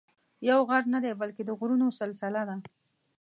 یو غر نه دی بلکې د غرونو سلسله ده.